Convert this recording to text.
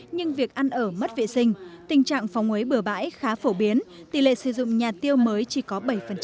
nhưng việc ăn ở mất vệ sinh tình trạng phóng ngấy bừa bãi khá phổ biến tỷ lệ sử dụng nhà tiêu mới chỉ có bảy